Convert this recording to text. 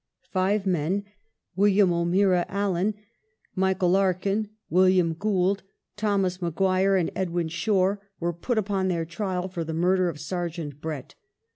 Five men, William O'Meara Allen, Michael Larkin, William Gould, Thomas Maguire, and Edwin Shore, were put upon their trial for the murder of Sergeant Brett.